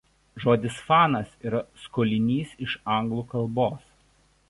Žodis fanas yra skolinys iš anglų kalbos.